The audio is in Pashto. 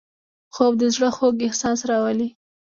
خوب د زړه خوږ احساس راولي